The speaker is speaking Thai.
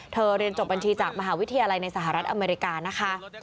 เรียนจบบัญชีจากมหาวิทยาลัยในสหรัฐอเมริกานะคะ